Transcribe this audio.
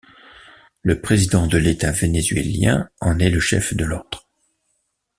Le président de l'État vénézuélien en est le chef de l'ordre.